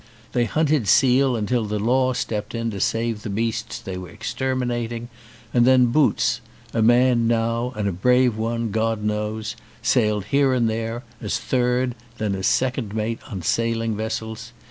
They hunted seal until the law stepped in to save the beasts they were exterminating, and then Boots, a man now and a brave one, God knows, sailed here and there, as third, then as second mate, on sailing vessels.